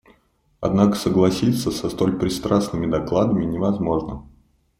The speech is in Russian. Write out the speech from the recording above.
Однако согласиться со столь пристрастными докладами невозможно.